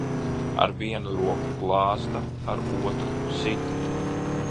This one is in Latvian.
Ar vienu roku glāsta, ar otru sit.